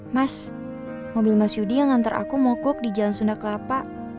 mas mobil mas yudi yang nganter aku mau kok di jalan sunda kelapa